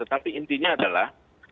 tetapi intinya adalah